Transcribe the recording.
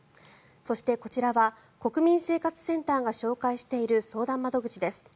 そして、こちらは国民生活センターが紹介している相談窓口です。